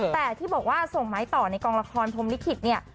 แต่ที่บอกว่าส่งไม้ต่อในกองละครพรมลิขิตเนี่ย